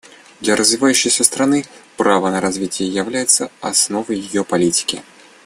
Для развивающейся страны право на развитие является основой ее политики.